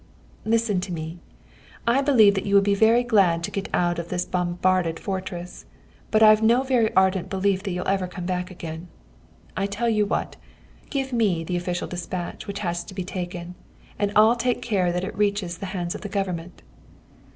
"'Listen to me! I believe that you would be very glad to get out of this bombarded fortress but I've no very ardent belief that you'll ever come back again. I tell you what: give me the official despatch which has to be taken, and I'll take care that it reaches the hands of the Government.'